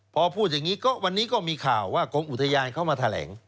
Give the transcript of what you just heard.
พอพูดอย่างนี้ก็วันนี้ก็มีข่าวว่ากรมอุทยานเข้ามาแถลง